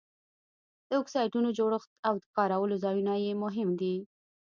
د اکسایډونو جوړښت او د کارولو ځایونه یې مهم دي.